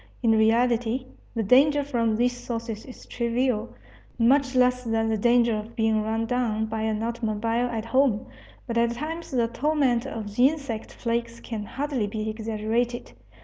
In reality, the danger from these sources is trivial, much less than the danger of being run down by an automobile at home. But at times the torment of insect plagues can hardly be exaggerated.